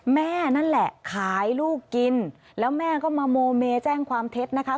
แม่นั่นแหละขายลูกกินแล้วแม่ก็มาโมเมแจ้งความเท็จนะคะ